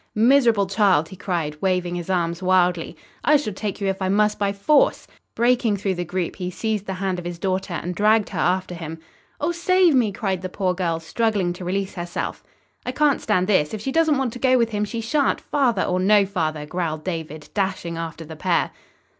"Miserable child!" he cried, waving his arms wildly. "I shall take you if I must by force." Breaking through the group, he seized the hand of his daughter and dragged her after him. "Oh, save me!" cried the poor girl, struggling to release herself. "I can't stand this! If she doesn't want to go with him, she shan't, father or no father," growled David, dashing after the pair.